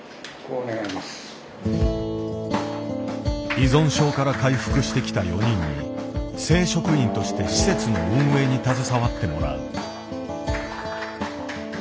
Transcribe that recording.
依存症から回復してきた４人に正職員として施設の運営に携わってもらう。